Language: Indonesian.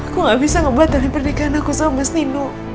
aku gak bisa ngebatalin pernikahan aku sama mas nino